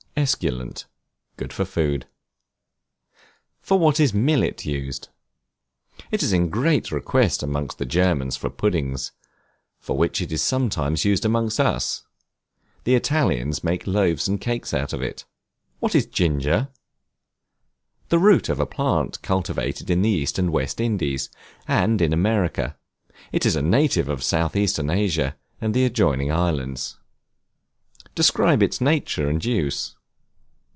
Esculent, good for food. For what is Millet used? It is in great request amongst the Germans for puddings; for which it is sometimes used amongst us. The Italians make loaves and cakes of it. What is Ginger? The root of a plant cultivated in the East and West Indies, and in America; it is a native of South eastern Asia and the adjoining islands. Describe its nature and use.